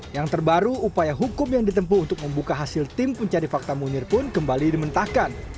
yang terbaru upaya hukum yang ditempu untuk membuka hasil tim pencari fakta munir pun kembali dimentahkan